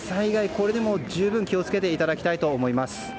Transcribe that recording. これにも十分気を付けていただきたいと思います。